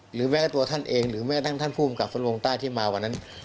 แม้ตัวท่านเองหรือแม้ทั้งท่านผู้กำกับฝนลงใต้ที่มาวันนั้น